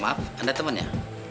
maaf anda temennya